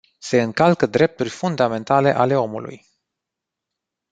Se încalcă drepturi fundamentale ale omului.